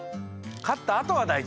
かったあとがだいじ。